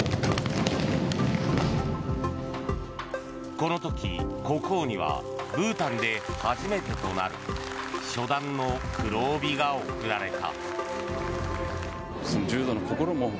この時、国王にはブータンで初めてとなる初段の黒帯が贈られた。